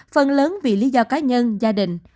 phần lớn vì lý do cá nhân gia đình